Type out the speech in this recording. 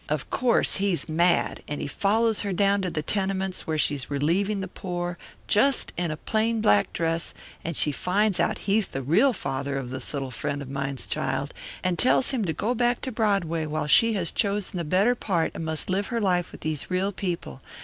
Of course he's mad, and he follows her down to the tenements where she's relieving the poor just in a plain black dress and she finds out he's the real father of this little friend of mine's child, and tells him to go back to Broadway while she has chosen the better part and must live her life with these real people.